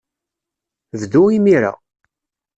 Bdu imir-a.